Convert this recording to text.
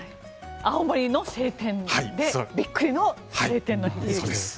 青森の晴天でびっくりの青天の霹靂。